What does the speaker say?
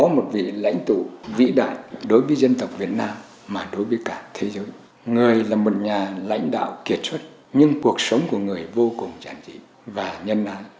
một nhà lãnh đạo kiệt xuất nhưng cuộc sống của người vô cùng giản dị và nhân ái